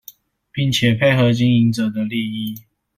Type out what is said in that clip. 並且配合經營者的利益